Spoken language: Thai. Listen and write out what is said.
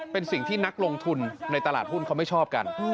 เป็นสิ่งที่นักลงทุนในตลาดหุ้นเขาไม่ชอบกัน